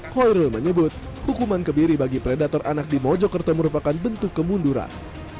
khoirul menyebut hukuman kebiri bagi predator anak di mojokerto merupakan bentuk kemunduran